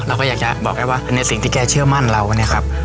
เราก็อยากจะบอกแกว่าในสิ่งที่แกเชื่อมั่นเราเนี่ยครับ